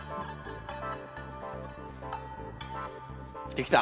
できた。